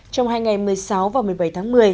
trong hai ngày một mươi sáu và một mươi bảy tháng một mươi